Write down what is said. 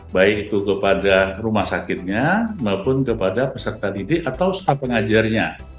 baik itu kepada rumah sakitnya maupun kepada peserta didik atau staf pengajarnya